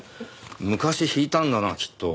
昔引いたんだなきっと。